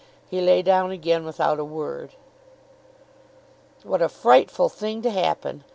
He lay down again without a word. What a frightful thing to happen!